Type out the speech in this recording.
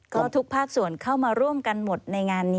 ก็ทุกภาคส่วนเข้ามาร่วมกันหมดในงานนี้